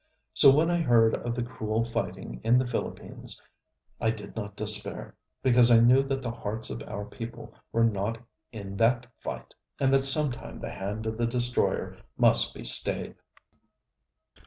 So when I heard of the cruel fighting in the Philippines, I did not despair, because I knew that the hearts of our people were not in that fight, and that sometime the hand of the destroyer must be stayed.